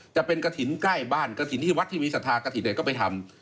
จะเป็นกระถิ่นใกล้บ้านกระถิ่นที่วัดที่มีศรัทธากระถิ่นก็ไปทำ